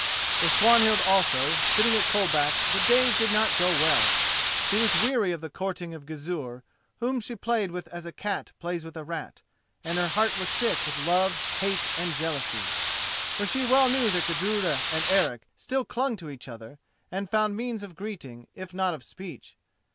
For Swanhild also, sitting at Coldback, the days did not go well. She was weary of the courting of Gizur, whom she played with as a cat plays with a rat, and her heart was sick with love, hate, and jealousy. For she well knew that Gudruda and Eric still clung to each other and found means of greeting, if not of speech.